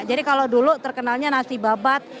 jadi kalau dulu terkenalnya nasi babat